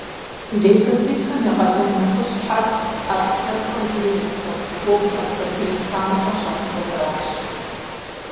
Лейкоцитхэм я къалэн нэхъыщхьэр — ӏэпкълъэпкъыр вирусхэм, микробхэм, протеин хамэхэм щахъумэнращ.